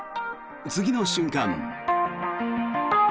次の瞬間。